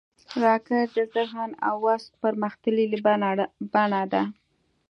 راکټ د ذهن او وس پرمختللې بڼه ده